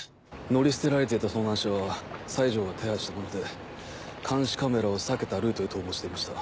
乗り捨てられていた盗難車は西城が手配したもので監視カメラを避けたルートで逃亡していました。